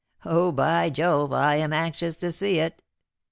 Oh, by Jove, I am anxious to see it!"